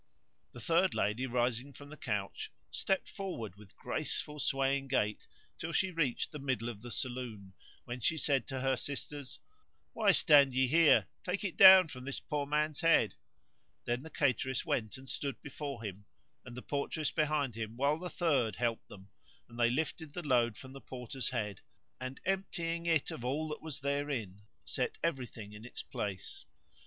[FN#152]The third lady rising from the couch stepped forward with grace ful swaying gait till she reached the middle of the saloon, when she said to her sisters, "Why stand ye here? take it down from this poor man's head!" Then the cateress went and stood before him, and the portress behind him while the third helped them, and they lifted the load from the Porter's head; and, emptying it of all that was therein, set everything in its place.